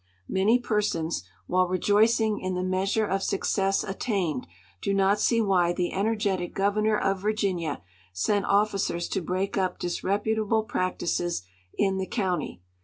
Many persons, while rejoicing in the measure of success attained, do not see Avhy the energetic governor of Virginia sent officers to break u}) dis rejmtalde j)ractices in the county.